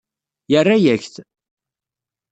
Yerra-yak-t.